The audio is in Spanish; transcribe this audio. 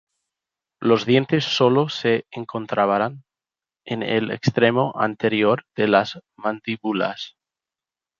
Los dientes sólo se encontraban en el extremo anterior de las mandíbulas.